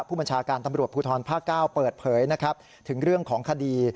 ผู้บัญชาการตำรวจภูทรภาค๙เปิดเผยนะครับถึงเรื่องของคดี